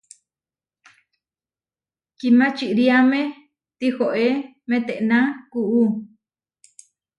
Kimačiriáme tihoé metená kuú.